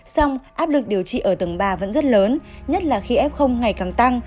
song áp lực điều trị ở tầng ba vẫn rất lớn nhất là khi f ngày càng tăng